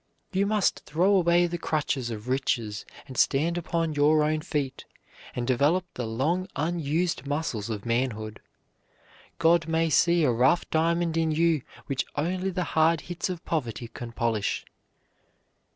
You must throw away the crutches of riches and stand upon your own feet, and develop the long unused muscles of manhood. God may see a rough diamond in you which only the hard hits of poverty can polish.